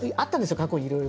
過去にいろいろ。